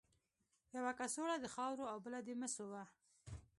یوه کڅوړه د خاورو او بله د مسو وه.